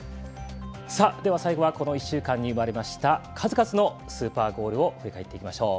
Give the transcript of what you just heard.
最後はこの１週間に生まれました数々のスーパーゴールを振り返っていきましょう。